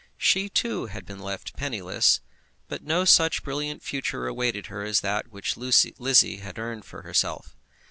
She too had been left penniless, but no such brilliant future awaited her as that which Lizzie had earned for herself.